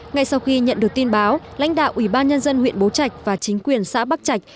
ngay sau khi nhận được tin báo lãnh đạo ủy ban nhân dân huyện bố trạch và chính quyền xã bắc trạch